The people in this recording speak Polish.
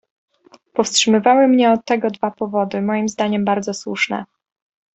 "Powstrzymywały mnie od tego dwa powody, mojem zdaniem bardzo słuszne."